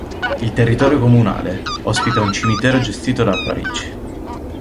Il territorio comunale ospita un cimitero gestito da Parigi.